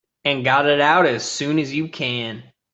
And got it out as soon as you can.